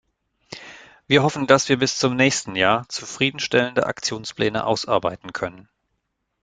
Wir hoffen, dass wir bis zum nächsten Jahr zufriedenstellende Aktionspläne ausarbeiten können.